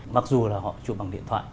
mặc dù là họ chụp bằng điện thoại